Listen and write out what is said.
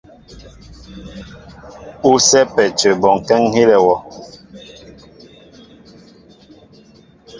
U sɛ́pɛ́ a cə bɔnkɛ́ ŋ́ hílɛ wɔ.